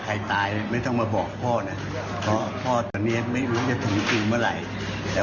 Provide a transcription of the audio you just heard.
สถิติของของผมถ้าให้จิ้มอะไรให้ซื้อมาให้กิน